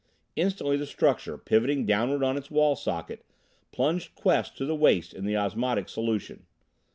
Instantly the structure, pivoting downward on its wall socket, plunged Quest to his waist in the osmotic solution.